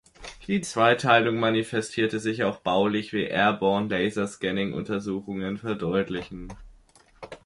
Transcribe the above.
Die Zweiteilung manifestierte sich auch baulich, wie Airborne Laserscanning-Untersuchungen verdeutlichen.